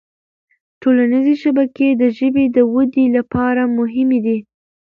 ټولنیزې شبکې د ژبې د ودې لپاره مهمي دي